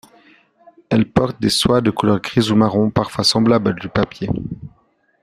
Elles portent des soies de couleur grise ou marron parfois semblables à du papier.